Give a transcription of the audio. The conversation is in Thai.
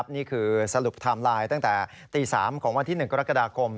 นี่คือสรุปไทม์ไลน์ตั้งแต่ตี๓ของวันที่๑กรกฎาคม